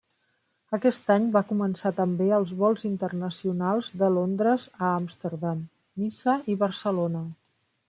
Aquest any va començar també els vols internacionals de Londres a Amsterdam, Niça i Barcelona.